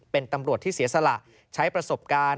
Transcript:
เป็นตำรวจที่เสียสละใช้ประสบการณ์